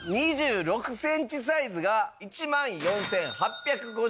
２６センチサイズが１万４８５０円。